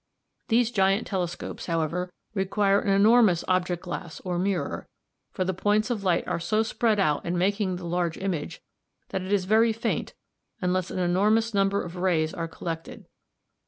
These giant telescopes, however, require an enormous object glass or mirror, for the points of light are so spread out in making the large image that it is very faint unless an enormous number of rays are collected.